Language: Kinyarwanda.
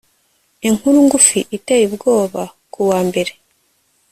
inkuru ngufi iteye ubwoba ku wa mbere